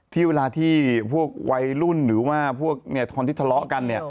ที่เวลาที่พวกวัยรุ่นหรือว่าพวกตอนที่ทะเลาะกันเนี่ย